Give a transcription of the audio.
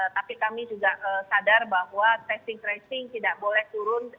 tapi kami juga sadar bahwa testing tracing tidak boleh turun